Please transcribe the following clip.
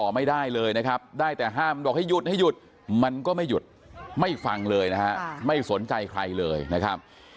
ไม่สนใจใครเลยนะครับ